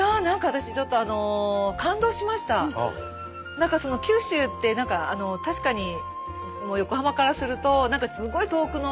何かその九州って確かに横浜からすると何かすごい遠くの。